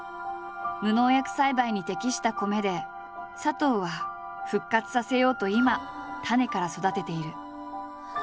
無農薬栽培に適した米で佐藤は復活させようと今種から育てている。